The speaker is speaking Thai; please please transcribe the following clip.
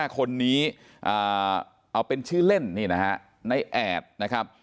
๕คนนี้เอาเป็นชื่อเล่นนี่นะฮะในแอดนะครับ